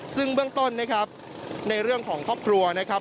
ซึ่งเบื้องต้นนะครับในเรื่องของครอบครัวนะครับ